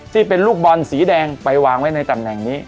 ที่เป็นลูกบอลสีแดงไปวางไว้ในตำแหน่งนี้